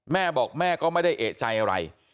แม่บอกแม่ก็ไม่ได้เอกใจอะไร